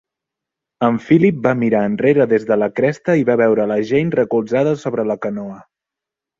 En Philip va mirar enrere des de la cresta i va veure la Jeanne recolzada sobre la canoa.